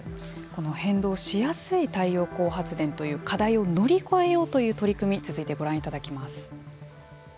この変動しやすい太陽光発電という課題を乗り越えようという取り組み続いてご覧いただきます。